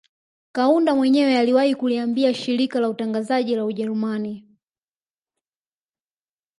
Kaunda mwenyewe aliwahi kuliambia shirika la utangazaji la Ujerumani